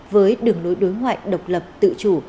với đường đối ngoại độc lập tự chủ